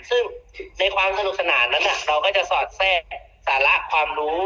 ซึ่งในความสนุกสนานนั้นเราก็จะสอดแทรกสาระความรู้